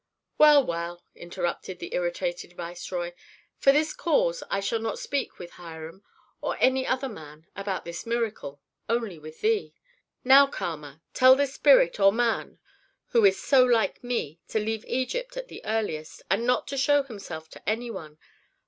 "Well, well," interrupted the irritated viceroy; "for this cause I shall not speak with Hiram or any other man about this miracle, only with thee. Now, Kama, tell this spirit or man who is so like me to leave Egypt at the earliest, and not to show himself to any one.